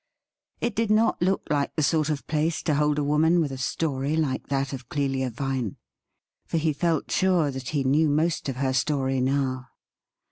It did not look like the sort of place to hold a woman with a story like that of Clelia Vine ; for he felt sure that he knew most of her story now.